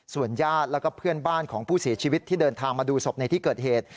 ญาติแล้วก็เพื่อนบ้านของผู้เสียชีวิตที่เดินทางมาดูศพในที่เกิดเหตุ